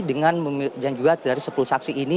dengan dan juga dari sepuluh saksi ini